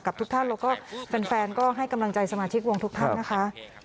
ทุกท่านแล้วก็แฟนก็ให้กำลังใจสมาชิกวงทุกท่านนะคะ